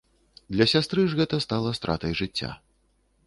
Для сястры ж гэта стала стратай жыцця.